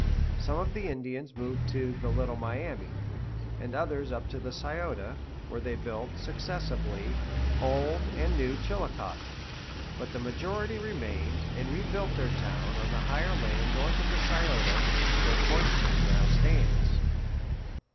Some of the Indians moved to the Little Miami, and others up the Scioto, where they built, successively, Old and New Chillicothe; but the majority remained, and rebuilt their town on the higher land north of the Scioto, where Portsmouth now stands.